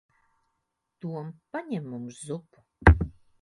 Tom. Paņem mums zupu.